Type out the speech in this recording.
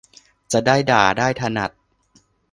จะได้ด่าได้ถนัด